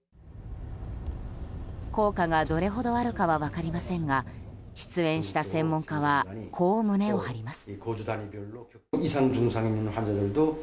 効果がどれほどあるかは分かりませんが出演した専門家はこう胸を張ります。